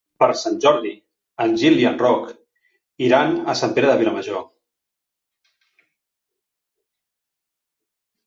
Per Sant Jordi en Gil i en Roc iran a Sant Pere de Vilamajor.